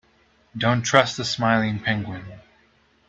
Don't trust the smiling penguin.